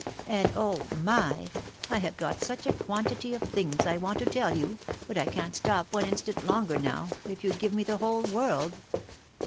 And oh ! my ! I have got such a quantity of things I want to tell you, but I can't stop one instant longer now, if you'd give me the whole world.